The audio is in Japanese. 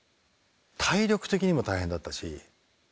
体力的にも大変だったし。